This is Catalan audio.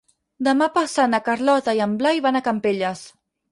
Demà passat na Carlota i en Blai van a Campelles.